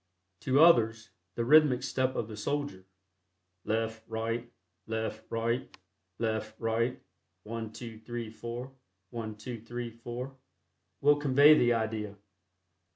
To others, the rhythmic step of the soldier: "Left, right; left, right; left, right; one, two, three, four; one, two, three, four," will convey the idea.